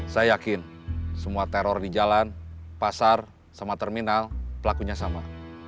saya yakin semua teror di jalan pasar sama terminal pelakunya sama